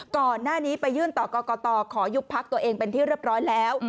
ก่อนหน้านี้ไปยื่นต่อกรกตขอยุบพักตัวเองเป็นที่เรียบร้อยแล้ว